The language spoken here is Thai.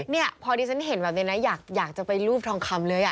เนี่ยพอดีฉันเห็นแบบนี้นะอยากจะไปรูปทองคำเลย